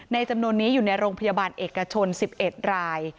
จำนวนนี้อยู่ในโรงพยาบาลเอกชน๑๑ราย